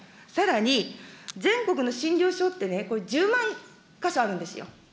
さらに、全国の診療所って、これ、１０万か所あるんですよ。